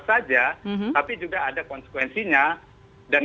saja tapi juga ada konsekuensinya dan